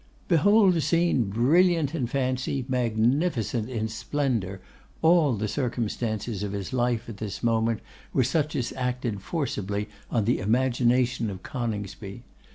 Behold a scene brilliant in fancy, magnificent in splendour! All the circumstances of his life at this moment were such as acted forcibly on the imagination of Coningsby.